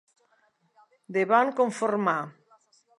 De bon conformar.